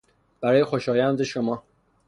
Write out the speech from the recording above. برای خوشایند شما